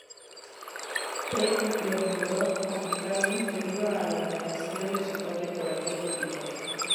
El lo nombró Africanus "debido a la admiración de su padre" por aquel continente.